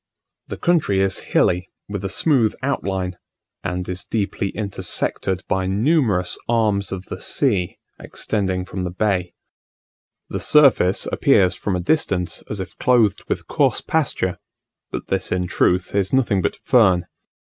The country is hilly, with a smooth outline, and is deeply intersected by numerous arms of the sea extending from the bay. The surface appears from a distance as if clothed with coarse pasture, but this in truth is nothing but fern.